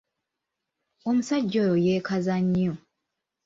Omusajja oyo yeekaza nnyo.